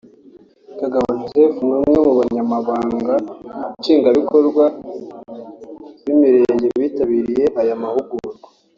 Kagabo Joseph ni umwe mu banyamabanga nshingwabikorwa b’imirenge bitabiriye aya mahugurwa